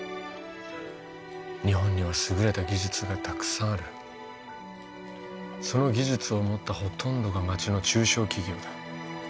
日本には優れた技術がたくさんあるその技術を持ったほとんどが町の中小企業だ